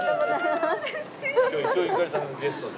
今日伊東ゆかりさんがゲストで。